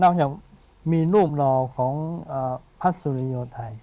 นอกจากมีรูปหล่อของพระสุริยธัย